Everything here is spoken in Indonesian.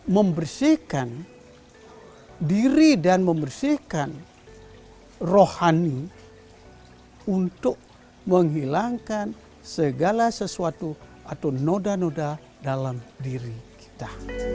membersihkan diri dan membersihkan rohani untuk menghilangkan segala sesuatu atau noda noda dalam diri kita